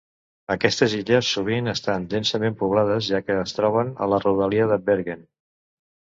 Aquestes illes sovint estan densament poblades, ja que es troben a la rodalia de Bergen.